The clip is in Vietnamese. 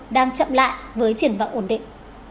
đang chậm lại với triển vọng ổn định